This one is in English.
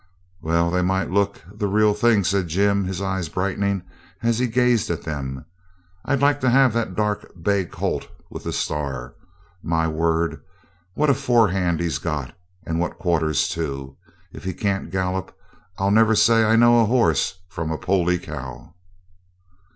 'Well, they might look the real thing,' said Jim, his eyes brightening as he gazed at them. 'I'd like to have that dark bay colt with the star. My word, what a forehand he's got; and what quarters, too. If he can't gallop I'll never say I know a horse from a poley cow.'